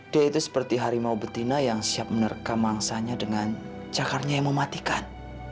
dia itu seperti harimau betina yang siap menerkam mangsanya dengan cakarnya yang mematikan